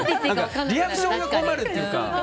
リアクションが困るというか。